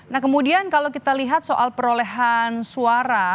nah kemudian kalau kita lihat soal perolehan suara